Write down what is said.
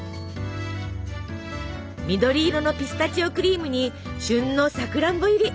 緑色のピスタチオクリームに旬のさくらんぼ入り！